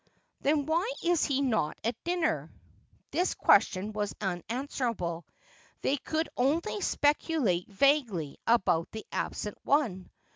' Then why is he not at dinner ?' This question was unanswerable. They could only specu late vaguely about the absent one.